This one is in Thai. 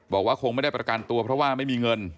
บอกว่าคงไม่ได้ประกันตัวเพราะว่าไม่มีเงิน